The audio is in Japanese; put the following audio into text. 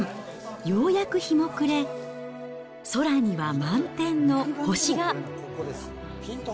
ようやく日も暮れ、空には満天の星が。